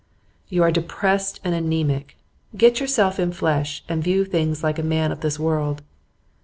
'You are depressed and anaemic. Get yourself in flesh, and view things like a man of this world.